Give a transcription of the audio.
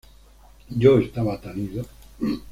Yo estaba tan ido.